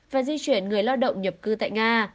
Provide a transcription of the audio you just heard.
và di chuyển người lao động nhập cư tại nga